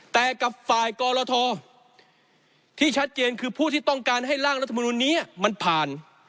แต่กับฝ่ายกรทที่ชัดเจนคือผู้ที่ต้องการให้ร่างรัฐมนุนนี้มันผ่าน